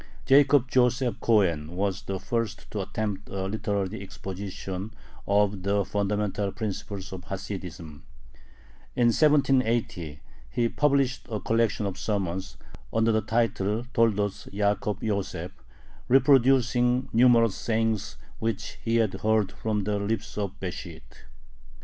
Jacob Joseph Cohen was the first to attempt a literary exposition of the fundamental principles of Hasidism. In 1780 he published a collection of sermons, under the title Toldoth Ya`kob Yoseph, reproducing numerous sayings which he had heard from the lips of Besht.